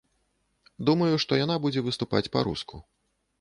Думаю, што яна будзе выступаць па-руску.